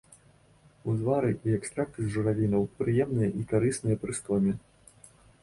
Узвары і экстракты з журавінаў прыемныя і карысныя пры стоме.